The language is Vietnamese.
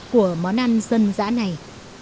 của món ăn dân dã này